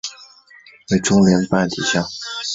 为中联办底下的政治作战单位。